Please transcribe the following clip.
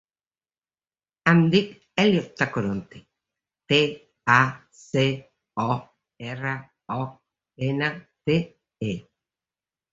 Em dic Elliot Tacoronte: te, a, ce, o, erra, o, ena, te, e.